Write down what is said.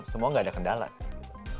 semua enggak ada kendala sih